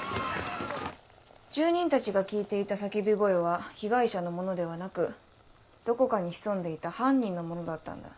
住人たちが聞いていた叫び声は被害者のものではなくどこかに潜んでいた犯人のものだったんだ。